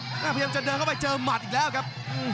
พยายามจะเดินเข้าไปเจอหมัดอีกแล้วครับ